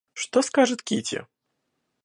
Что скажет Кити?